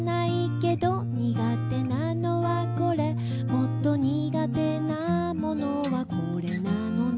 「もっと苦手なものはこれなのね」